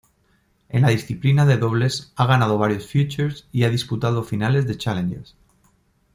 En la disciplina de dobles ha ganado varios futures y disputado finales de Challengers.